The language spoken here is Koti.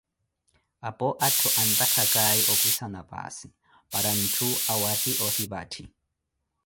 Apo atthu antakhakaye okwisana paasi para ntthu awaahi ohipathi.